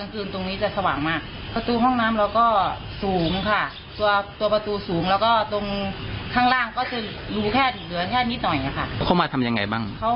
เข้ามาทำยังไงบ้าง